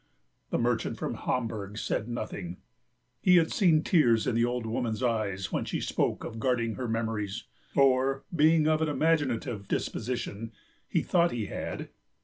The merchant from Hamburg said nothing; he had seen tears in the old woman's eyes when she spoke of guarding her memories—or, being of an imaginative disposition, he thought he had.